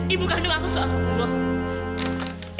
ibu kandung aku soal allah